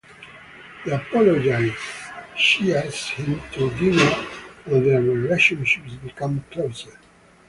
To apologize, she asks him to dinner and their relationship becomes closer.